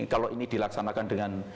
kalau ini dilaksanakan dengan